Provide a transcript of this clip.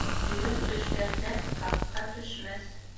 Килен төшкәндә ҡаҡка төшмәҫ.